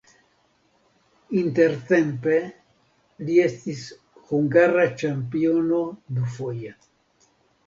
Intertempe li estis hungara ĉampiono dufoje.